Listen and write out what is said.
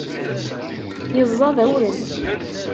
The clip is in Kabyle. Yeẓẓad awren.